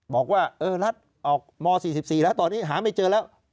บอกว่าเออรัฐออกม๔๔แล้วตอนนี้หาไม่เจอแล้ว